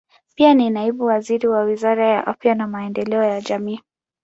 Pia ni naibu waziri wa Wizara ya Afya na Maendeleo ya Jamii.